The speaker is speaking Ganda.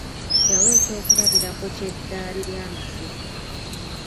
Yawa eky'okulabirako ky'eddaali ly'Amasiro